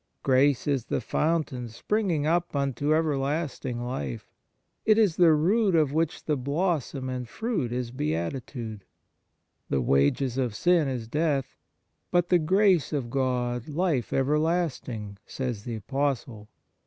Grace is the fountain springing up unto everlasting life ; it is the root of which the blossom and fruit is beatitude. " The wages of sin is death, but the grace of God life everlasting," says the Apostle.